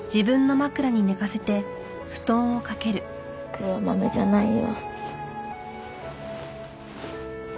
黒豆じゃないよ。